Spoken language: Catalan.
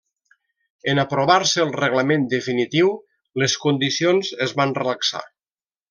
En aprovar-se el reglament definitiu, les condicions es van relaxar.